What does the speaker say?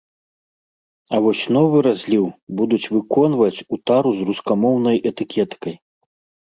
А вось новы разліў будуць выконваць у тару з рускамоўнай этыкеткай.